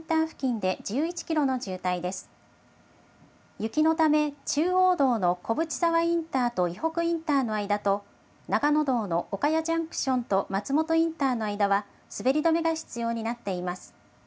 雪のため、中央道の小淵沢インターと伊北インターの間と、長野道の岡谷ジャンクションと松本インターの間は、滑り止めが必要になっています。